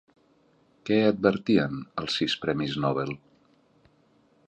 Què advertien els sis premis Nobel?